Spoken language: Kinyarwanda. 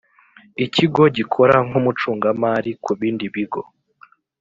ikigo gikora nk umucungamari ku bindi bigo